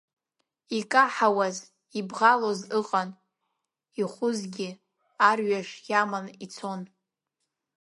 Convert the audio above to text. Икаҳауаз, ибӷалоз ыҟан, ихәызгьы арҩаш иаман ицон.